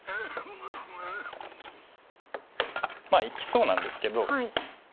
まあ生きそうなんですけど。